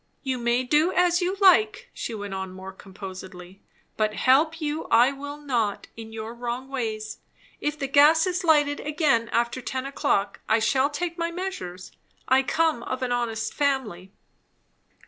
"You may do as you like," she went on more composedly, "but help you I will not in your wrong ways. If the gas is lighted again after ten o'clock, I shall take my measures. I come of an honest family."